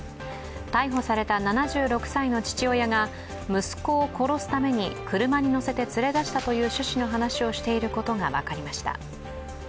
逮捕された７６歳の父親が息子を殺すために車に乗せて連れ出したという趣旨の話をしていることが分かりました。